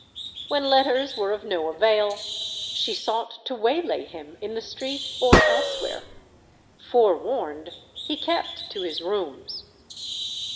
When letters were of no avail, she sought to waylay him in the street or elsewhere. Forewarned, he kept to his rooms.